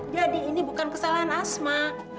jadi ini bukan kesalahan asma